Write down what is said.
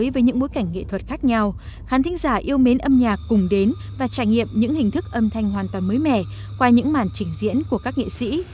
và trải nghiệm những hình thức âm thanh hoàn toàn mới mẻ qua những màn trình diễn của các nghệ sĩ